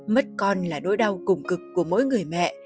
mất con là nỗi đau cùng cực của mỗi người mẹ